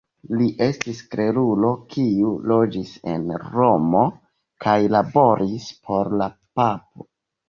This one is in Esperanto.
Li estis klerulo kiu loĝis en Romo kaj laboris por la papo.